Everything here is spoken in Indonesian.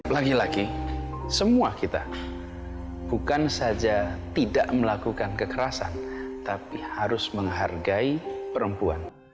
lagi lagi semua kita bukan saja tidak melakukan kekerasan tapi harus menghargai perempuan